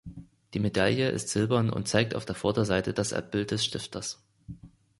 Die Medaille ist silbern und zeigt auf der Vorderseite das Abbild des Stifters.